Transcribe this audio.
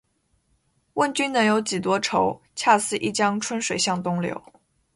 问君能有几多愁？恰似一江春水向东流